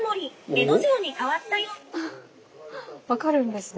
分かるんですね。